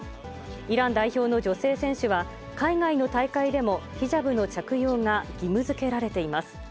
イラン代表の女性選手は、海外の大会でもヒジャブの着用が義務づけられています。